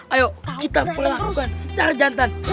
ayo kita melakukan secara jantan